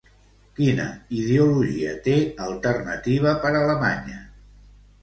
Quina ideologia té Alternativa per Alemanya?